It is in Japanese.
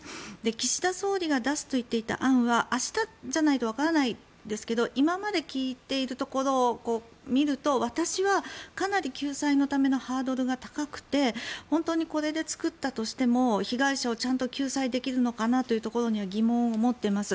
岸田総理が出すといっていた案は明日じゃないとわからないですけど今まで聞いているところを見ると私は、かなり救済のためのハードルが高くて本当にこれで作ったとしても被害者をちゃんと救済できるかなというところには疑問を持っています。